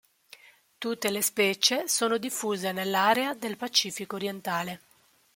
Tutte le specie sono diffuse nell'area del Pacifico orientale.